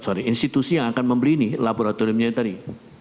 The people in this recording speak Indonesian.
sorry institusi yang akan membeli ini laboratoriumnya tadi